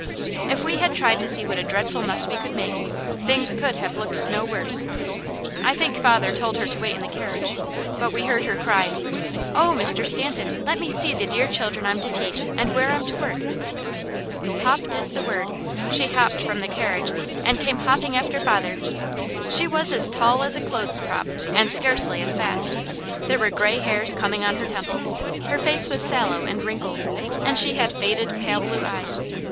If we had tried to see what a dreadful muss we could make, things could have looked no worse. I think father told her to wait in the carriage, but we heard her cry: "Oh Mr. Stanton, let me see the dear children I'm to teach, and where I'm to work." Hopped is the word. She hopped from the carriage and came hopping after father. She was as tall as a clothes prop and scarcely as fat. There were gray hairs coming on her temples. Her face was sallow and wrinkled, and she had faded, pale blue eyes.